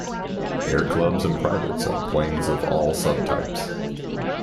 Airclubs and privates own planes of all subtypes.